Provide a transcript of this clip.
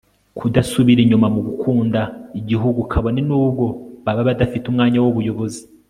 kudasubira inyuma mu gukunda igihugu kabone n'ubwo baba badafite umwanya w'ubuyobozi